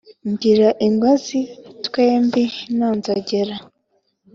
ngira inkozi twembi na nzogera.